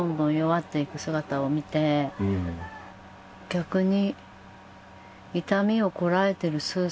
逆に。